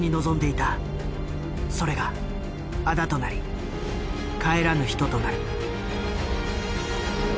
それがあだとなり帰らぬ人となる。